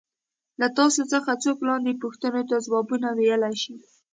له تاسو څخه څوک لاندې پوښتنو ته ځوابونه ویلای شي.